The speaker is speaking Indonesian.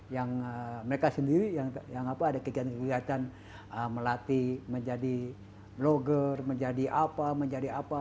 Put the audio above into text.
yang mereka sendiri yang apa ada kegiatan kegiatan melatih menjadi blogger menjadi apa menjadi apa